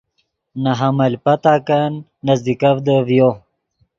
نے حمل پتاکن نزدیکڤدے ڤیو۔